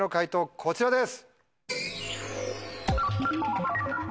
こちらです。